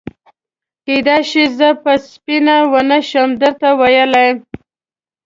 کېدای شي زه به سپینه ونه شم درته ویلای.